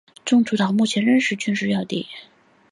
中途岛目前仍是军事要地。